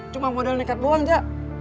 cuma modal nekat buang aja